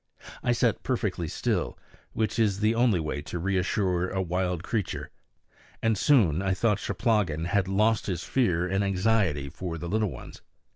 I sat perfectly still, which is the only way to reassure a wild creature; and soon I thought Cheplahgan had lost his fear in his anxiety for the little ones.